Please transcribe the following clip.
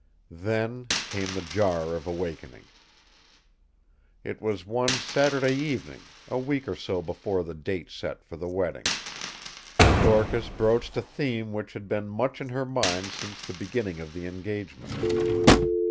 Then came the jar of awakening. It was one Saturday evening, a week or so before the date set for the wedding. Dorcas broached a theme which had been much in her mind since the beginning of the engagement.